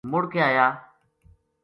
مڑ کے آیا